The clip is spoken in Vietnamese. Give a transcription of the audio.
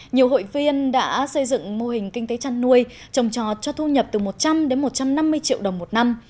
nhiều hội viên đã xây dựng mô hình kinh tế chăn nuôi trồng trò cho thu nhập từ một trăm linh đến một trăm năm mươi triệu đồng một năm